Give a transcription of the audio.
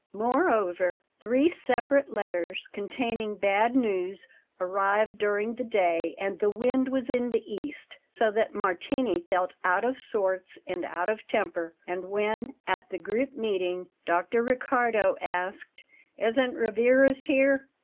Moreover, three separate letters containing bad news arrived during the day, and the wind was in the east, so that Martini felt out of sorts and out of temper; and when, at the group meeting, Dr. Riccardo asked, "Isn't Rivarez here?"